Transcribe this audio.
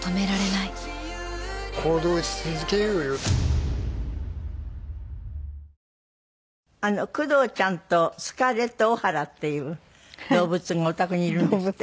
ニトリ「工藤ちゃん」と「スカーレット大原」っていう動物がお宅にいるんですって？